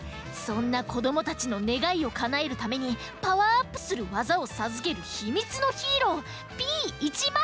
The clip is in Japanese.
そんなこどもたちのねがいをかなえるためにパワーアップするわざをさずけるひみつのヒーローＰ１０３！